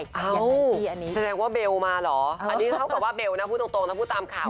แสดงว่าเบลล์มาเหรออันนี้เท่ากับว่าเบลล์นะพูดตรงพูดตามข่าว